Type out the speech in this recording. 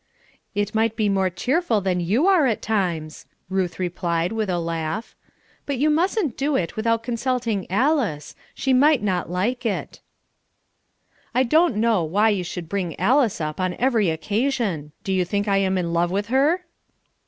"It might be more cheerful than you are at times," Ruth replied with a laugh. "But you mustn't do it without consulting Alice. She might not like it." "I don't know why you should bring Alice up on every occasion. Do you think I am in love with her?"